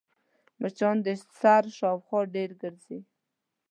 مچان د سر شاوخوا ډېر ګرځي